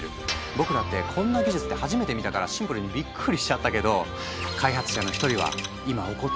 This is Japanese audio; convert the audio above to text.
僕らってこんな技術って初めて見たからシンプルにビックリしちゃったけど開発者の一人は「今起こっていることは何なのか？